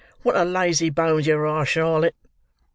What a lazybones yer are, Charlotte."